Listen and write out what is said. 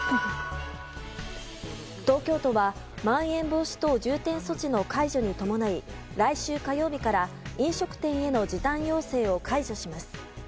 東京都はまん延防止等重点措置の解除に伴い来週火曜日から飲食店への時短要請を解除します。